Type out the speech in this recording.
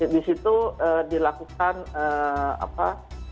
di situ dilakukan apa